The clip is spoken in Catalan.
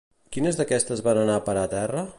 Quines d'aquestes van anar a parar a terra?